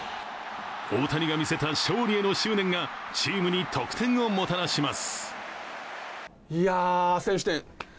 大谷が見せた勝利への執念がチームに得点をもたらします。